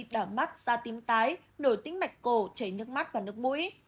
đỏ mắt da tím tái nổi tính mạch cổ chảy nước mắt và nước mũi